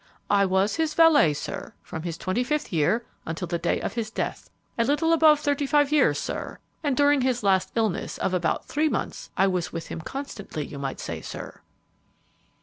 "I was his valet, sir, from his twenty fifth year until the day of his death, a little above thirty five years, sir; and during his last illness, of about three months, I was with him constantly, you might say, sir."